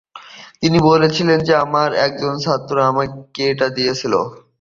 তিনি বলেছিলেন যে, আমার একজন ছাত্র আমাকে এটা দিয়েছিল।